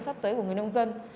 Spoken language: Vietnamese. sắp tới của người nông dân